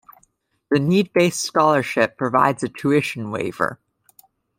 The need-based scholarship provides a tuition waiver.